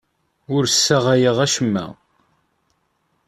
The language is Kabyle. Ur ssaɣayeɣ acemma.